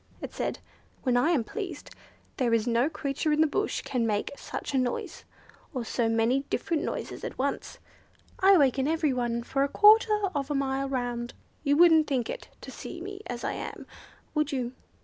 it said; "when I am pleased there is no creature in the bush can make such a noise, or so many different noises at once. I waken every one for a quarter of a mile round. You wouldn't think it, to see me as I am, would you?"